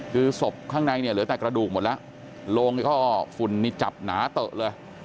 คือศพข้างในเนี่ยเหลือแต่กระดูกหมดแล้วโรงก็ฝุ่นนี่จับหนาเตอะเลย